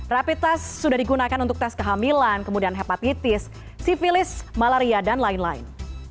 rapid test sudah digunakan untuk tes kehamilan kemudian hepatitis sivilis malaria dan lain lain